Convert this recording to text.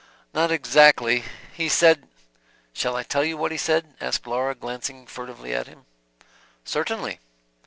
"Not exactly, he said shall I tell you what he said?" asked Laura glancing furtively at him. "Certainly."